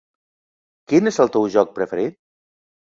Quin és el teu joc preferit?